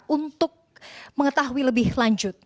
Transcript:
untuk mengetahui lebih lanjut